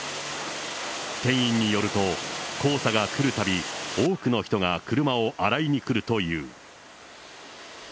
店員によると、黄砂が来るたび、多くの人が車を洗いにくるという。